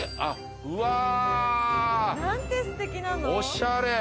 おしゃれ！